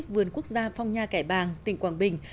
vườn quốc gia phong nha kẻ bàng tỉnh quảng bình